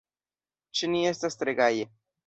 Ĉe ni estas tre gaje.